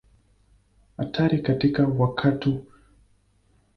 Hatari katika watu wenye hali nyingi za kimatibabu huwa juu zaidi.